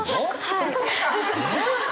はい。